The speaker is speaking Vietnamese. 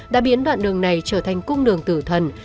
đã biến đoạn đường này trở thành cung đường tử thần